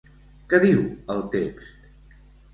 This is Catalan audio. Què diu el text?